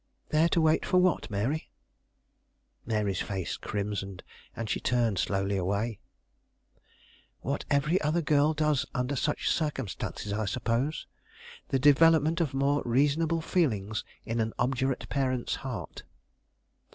"There to wait for what, Mary?" Mary's face crimsoned, and she turned slowly away. "What every other girl does under such circumstances, I suppose. The development of more reasonable feelings in an obdurate parent's heart."